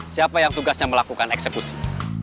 siapa yang tugasnya melakukan eksekusi